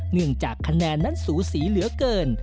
เนื่องจากคะแนนนั้นสูสีเหลือเกิน